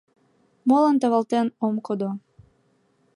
Молан тавалтен ом кодо?